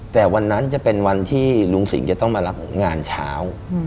แต่วันนั้นจะเป็นวันที่ลุงสิงห์จะต้องมารับงานเช้า